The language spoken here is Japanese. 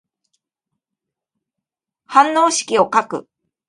反応式を書く。